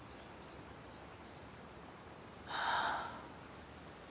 はあ。